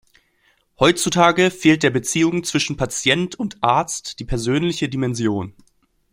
Heutzutage fehlt der Beziehung zwischen Patient und Arzt die persönliche Dimension.